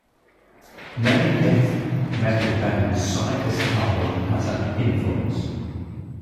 Many death metal bands cite this album as an influence.